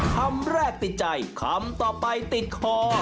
คำแรกติดใจคำต่อไปติดคอ